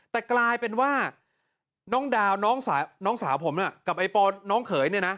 แต่กลายเป็นว่าน้องดาวน้องสาวผมกับไอ้ปอนน้องเขยเนี่ยนะ